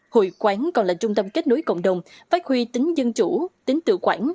hội quán còn là trung tâm kết nối cộng đồng phát huy tính dân chủ tính tự quản